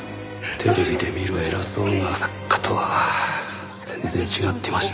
テレビで見る偉そうな作家とは全然違ってました。